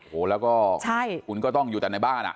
โหแล้วก็คุณก็ต้องอยู่แต่ในบ้านอ่ะ